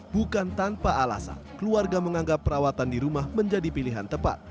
bukan tanpa alasan keluarga menganggap perawatan di rumah menjadi pilihan tepat